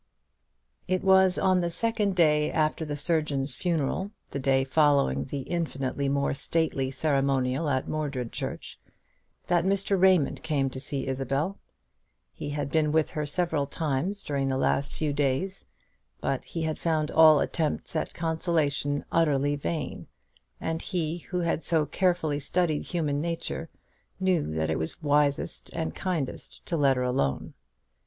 It was on the second day after the surgeon's funeral, the day following that infinitely more stately ceremonial at Mordred church, that Mr. Raymond came to see Isabel. He had been with her several times during the last few days; but he had found all attempts at consolation utterly in vain, and he, who had so carefully studied human nature, knew that it was wisest and kindest to let her alone.